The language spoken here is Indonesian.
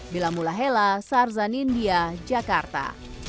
bila mula hela sarzan india jakarta